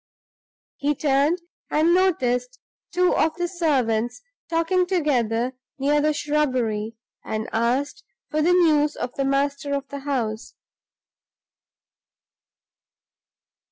He turned, noticed two of the servants talking together near the shrubbery, and asked for news of the master of the house.